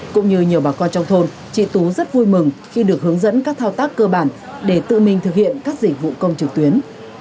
cũng như nhiều bà con trong thôn chị tú rất vui mừng khi được hướng dẫn các thao tác cơ bản để tự mình thực hiện các dịch vụ công trực tuyến